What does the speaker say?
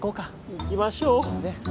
行きましょう。ね。